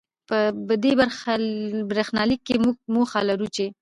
په دې برېښنالیک کې، موږ موخه لرو چې